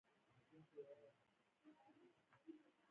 احمد له علي څخه سر وپېچه.